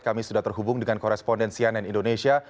kami sudah terhubung dengan koresponden cnn indonesia